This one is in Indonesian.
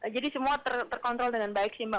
jadi semua terkontrol dengan baik sih mbak